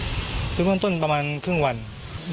พี่สาวต้องเอาอาหารที่เหลืออยู่ในบ้านมาทำให้เจ้าหน้าที่เข้ามาช่วยเหลือ